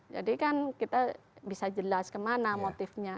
jadi kan kita bisa jelas kemana motifnya